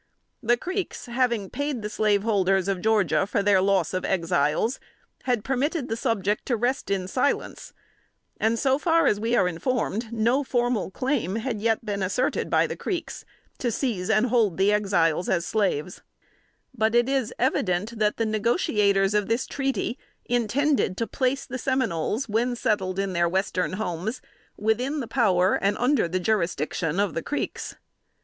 The Creeks, having paid the slaveholders of Georgia for their loss of Exiles, had permitted the subject to rest in silence, and, so far as we are informed, no formal claim had yet been asserted by the Creeks to seize and hold the Exiles as slaves; but it is evident that the negotiators of this treaty intended to place the Seminoles, when settled in their western homes, within the power, and under the jurisdiction, of the Creeks.